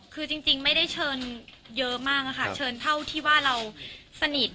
คือจริงไม่ได้เชิญเยอะมากค่ะเชิญเท่าที่ว่าเราสนิท